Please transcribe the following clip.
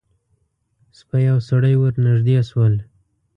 سپی او سړی ور نږدې شول.